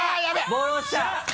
ボール落ちた！